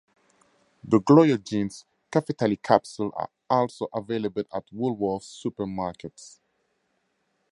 The Gloria Jeans Caffitaly Capsules are also available at Woolworths Supermarkets.